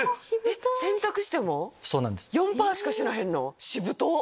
洗濯しても４％しか死なへんの⁉しぶとっ！